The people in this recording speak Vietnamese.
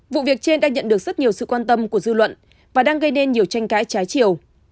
vụ việc trên đang nhận được rất nhiều sự quan tâm của dư luận và đang gây nên nhiều tranh cãi trái chiều